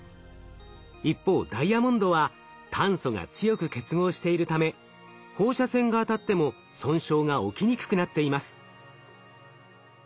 一方ダイヤモンドは炭素が強く結合しているため放射線が当たっても損傷が起きにくくなっています。